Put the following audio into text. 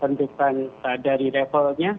pendukung dari levelnya